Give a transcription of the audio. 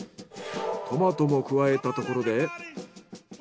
トマトも加えたところで。